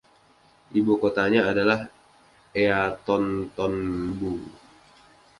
Ibu kotanya adalah EatontonIbu.